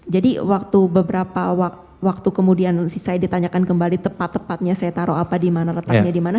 jadi waktu beberapa waktu kemudian saya ditanyakan kembali tepat tepatnya saya taruh apa di mana letaknya di mana